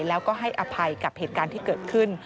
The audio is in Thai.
แล้วก็ให้อภัยกับเหตุการณ์ที่เกิดขึ้น